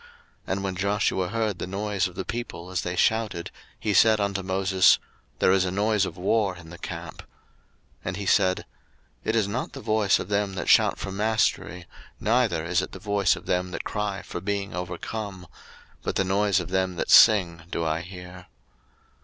02:032:017 And when Joshua heard the noise of the people as they shouted, he said unto Moses, There is a noise of war in the camp. 02:032:018 And he said, It is not the voice of them that shout for mastery, neither is it the voice of them that cry for being overcome: but the noise of them that sing do I hear.